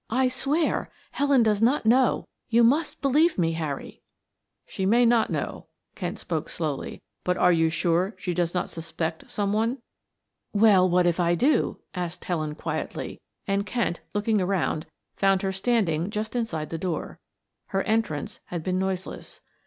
"I swear Helen does not know. You must believe me, Harry." "She may not know," Kent spoke slowly. "But are you sure she does not suspect some one?" "Well, what if I do?" asked Helen quietly, and Kent, looking around, found her standing just inside the door. Her entrance had been noiseless.